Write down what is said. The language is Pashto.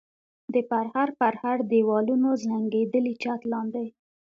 د پرهر پرهر دېوالونو زنګېدلي چت لاندې.